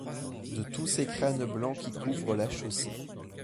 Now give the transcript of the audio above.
De tous ces crânes blancs qui couvrent la chaussée ;